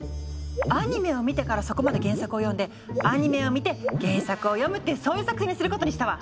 アニメを見てからそこまで原作を読んでアニメを見て原作を読むってそういう作戦にすることにしたわ！